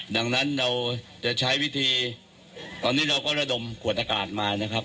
ดังนั้นเราจะใช้วิธีตอนนี้เราก็ระดมขวดอากาศมานะครับ